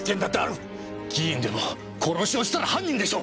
議員でも殺しをしたら犯人でしょ！